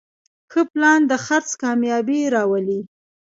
ښه پلان د خرڅ کامیابي راولي.